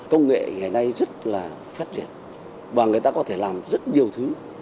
công nghệ ngày nay rất là phát triển và người ta có thể làm rất nhiều thứ